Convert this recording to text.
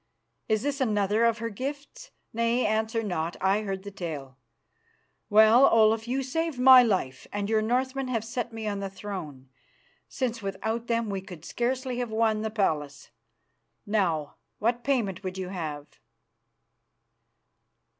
Is this another of her gifts? Nay, answer not; I heard the tale. Well, Olaf, you saved my life and your Northmen have set me on the throne, since without them we could scarcely have won the palace. Now, what payment would you have?"